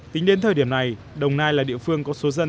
tính đến thời điểm này đồng nai là địa phương có số dân